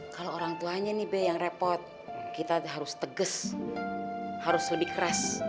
kalau orang tuanya nih be yang repot kita harus tegas harus lebih keras